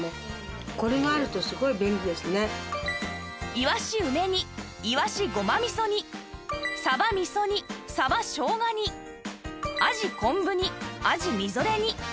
いわし梅煮いわしごま味噌煮さば味噌煮さば生姜煮あじ昆布煮あじみぞれ煮合計２４パック